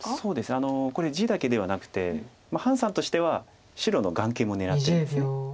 これ地だけではなくて潘さんとしては白の眼形も狙ってます。